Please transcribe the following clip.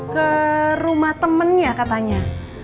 ke rumah temennya katanya